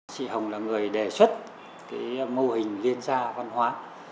chị hồng là người đề xuất mô hình liên gia văn hóa